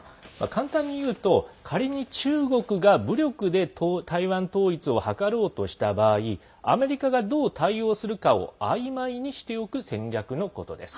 簡単にいうと仮に中国が武力で台湾統一を図ろうとした場合アメリカが、どう対応するかをあいまいにしておく戦略のことです。